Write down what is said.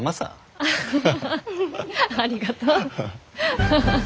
ありがとう。